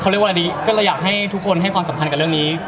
เราอยากให้ทุกคนให้ความสำคัญกับเรื่องนี้